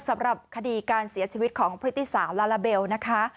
สำหรับคดีการเสียชีวิตของพฤติสาวลาลาเบลนะคะ